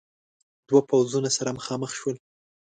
دو پوځونه سره مخامخ ول.